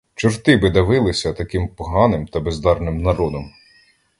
Чорти би давилися таким поганим та бездарним народом!